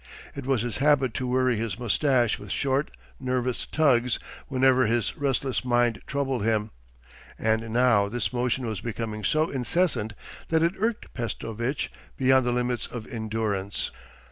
It was his habit to worry his moustache with short, nervous tugs whenever his restless mind troubled him, and now this motion was becoming so incessant that it irked Pestovitch beyond the limits of endurance.